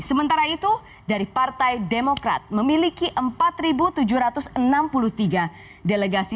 sementara itu dari partai demokrat memiliki empat tujuh ratus enam puluh tiga delegasi